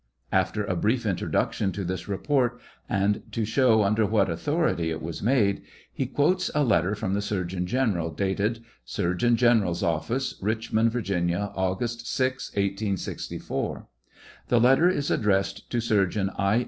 After a brief introduction to his report, and to show under what authority it was made, he quotes a letter from the surgeon general dated " Surgeon Gen eral's Office, Richmond, Virginia, August 6, 1864." The letter is addressed to Surgeon I.